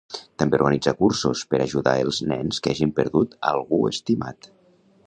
També organitza cursos per ajudar els nens que hagin perdut algú estimat.